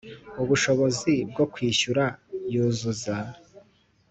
ubushobozi bwo kwishyura yuzuza